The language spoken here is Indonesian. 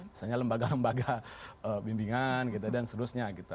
misalnya lembaga lembaga bimbingan dan seterusnya gitu